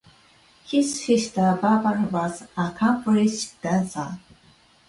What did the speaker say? His sister, Barbara, was an accomplished dancer.